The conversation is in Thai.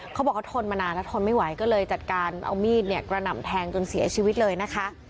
เขาบอกเขาทนมานานแล้วทนไม่ไหวก็เลยจัดการเอามีดเนี่ยกระหน่ำแทงจนเสียชีวิตเลยนะคะ